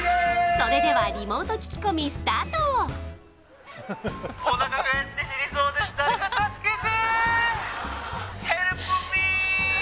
それではリモート聞き込み誰か助けて！